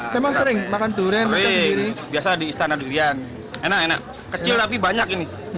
memang sering makan durian biasa di istana durian enak enak kecil tapi banyak ini